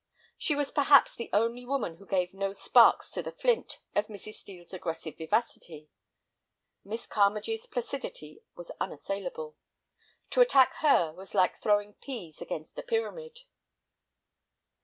She was perhaps the only woman who gave no sparks to the flint of Mrs. Steel's aggressive vivacity. Miss Carmagee's placidity was unassailable. To attack her was like throwing pease against a pyramid.